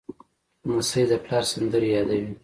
لمسی د پلار سندرې یادوي.